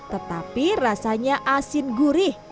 tetapi rasanya asin gurih